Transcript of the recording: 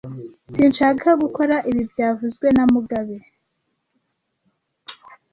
Sinshaka gukora ibi byavuzwe na mugabe